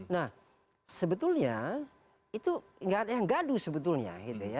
nah sebetulnya itu nggak ada yang gaduh sebetulnya